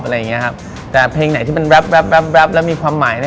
อะไรอย่างเงี้ยครับแต่เพลงไหนที่มันแป๊บแป๊บแล้วมีความหมายนะ